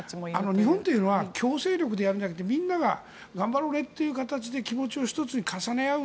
日本は強制力でやるんじゃなくてみんなが頑張ろうねという形で気持ちを一つに重ね合う。